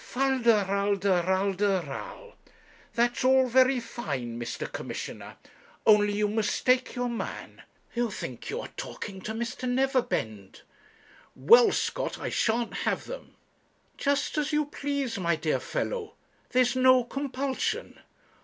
'Fal de ral, de ral, de ral! That's all very fine, Mr. Commissioner; only you mistake your man; you think you are talking to Mr. Neverbend.' 'Well, Scott, I shan't have them.' 'Just as you please, my dear fellow; there's no compulsion.